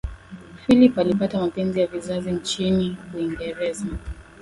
philip alipata mapenzi ya vizazi nchini uingereza